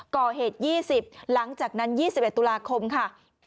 ก่อเหตุ๒๐หลังจากนั้น๒๑ตุลาคมค่ะ